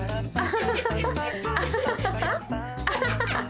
アハハハハ！